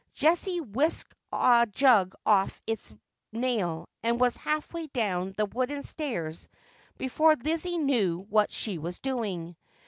Jessie whisked a jug off its nail, and was halfway down the wooden stairs before Lizzie knew what she was doing.